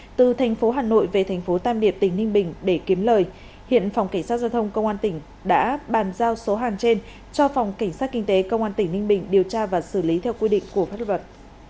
lê minh trường khai vận chuyển thuê số hàng hóa trên từ tp hcm về tp tam điệp tỉnh ninh bình để kiếm lời hiện phòng cảnh sát giao thông công an tỉnh đã bàn giao số hàng trên cho phòng cảnh sát kinh tế công an tỉnh ninh bình điều tra và xử lý theo quy định của pháp luật